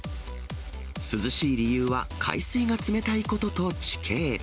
涼しい理由は海水が冷たいことと地形。